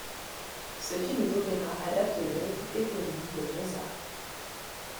Ce film d'opéra adapte l'œuvre éponyme de Mozart.